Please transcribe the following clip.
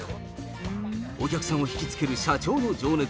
お客さんを引きつける社長の情熱。